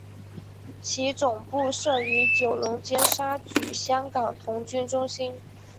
其总部设于九龙尖沙咀香港童军中心。